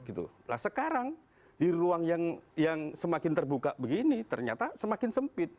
nah sekarang di ruang yang semakin terbuka begini ternyata semakin sempit